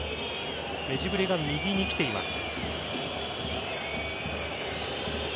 メジブリが右に来ています。